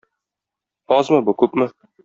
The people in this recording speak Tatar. Азмы бу, күпме?